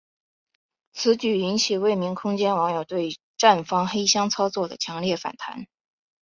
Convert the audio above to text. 此举引起未名空间网友对站方黑箱操作的强烈反弹。